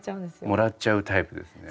もらっちゃうタイプですね。